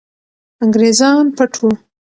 انګریزان پټ وو.